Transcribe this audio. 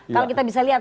kalau kita bisa lihat